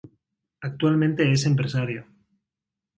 Actualmente es empresario.